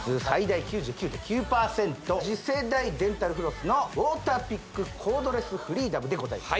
次世代デンタルフロスのウォーターピックコードレスフリーダムでございます